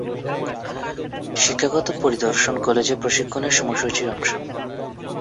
শিক্ষাগত পরিদর্শন কলেজে প্রশিক্ষণের সময়সূচীর অংশ।